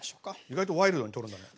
意外とワイルドに取るんだね。